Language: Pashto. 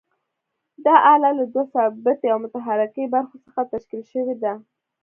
دا آله له دوو ثابتې او متحرکې برخو څخه تشکیل شوې ده.